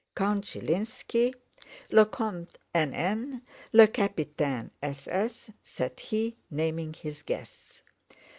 "Count Zhilínski—le Comte N. N.—le Capitaine S. S.," said he, naming his guests.